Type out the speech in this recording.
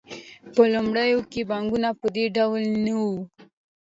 په لومړیو کې بانکونه په دې ډول نه وو